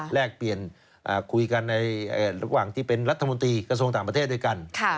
แลกเปลี่ยนคุยกันในระหว่างที่เป็นรัฐมนตรีกระทรวงต่างประเทศด้วยกัน